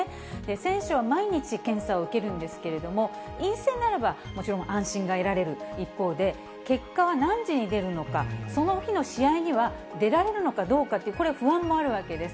選手は毎日、検査を受けるんですけれども、陰性ならば、もちろん安心が得られる一方で、結果は何時に出るのか、その日の試合には出られるのかどうかっていうこれ、不安もあるわけです。